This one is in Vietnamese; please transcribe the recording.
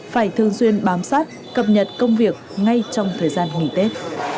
phải thường xuyên bám sát cập nhật công việc ngay trong thời gian nghỉ tết